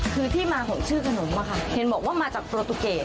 คือที่มาของชื่อกระหนมป่ะคะเห็นบอกว่ามาจากปลูตุเกรด